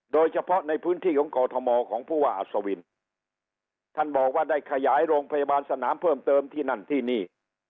โดยเฉพาะในพื้นที่ของกอทมของผู้ว่าอัศวินท่านบอกว่าได้ขยายโรงพยาบาลสนามเพิ่มเติมที่นั่นที่นี่